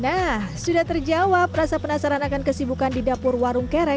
nah sudah terjawab rasa penasaran akan kesibukan di dapur warung kerek